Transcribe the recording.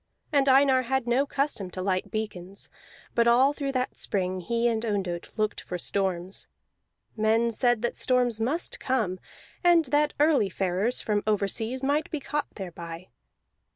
And Einar had no custom to light beacons, but all through that spring he and Ondott looked for storms. Men said that storms must come, and that early farers from overseas might be caught thereby.